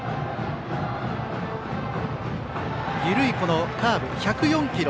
緩いカーブ、１０４キロ。